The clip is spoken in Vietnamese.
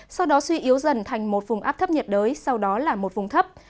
sau đó suy yếu dần thành một vùng áp thấp nhiệt đới sau đó là một vùng thấp